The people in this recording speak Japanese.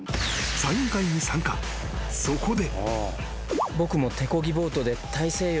［そこで］